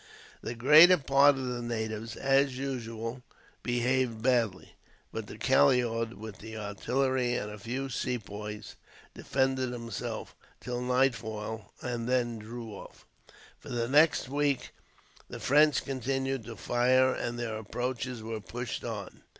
The greater part of the natives, as usual, behaved badly; but Calliaud, with the artillery and a few Sepoys, defended himself till nightfall; and then drew off. For the next week the French continued to fire, and their approaches were pushed on.